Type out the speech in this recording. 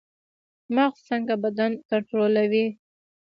مغز څنګه بدن کنټرولوي؟